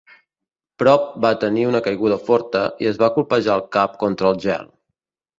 Propp va tenir una caiguda forta i es va colpejar el cap contra el gel.